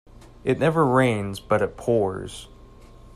It never rains but it pours.